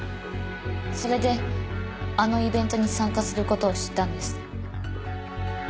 それであのイベントに参加する事を知ったんです。